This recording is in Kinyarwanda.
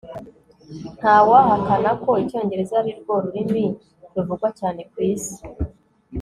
Ntawahakana ko icyongereza arirwo rurimi ruvugwa cyane kwisi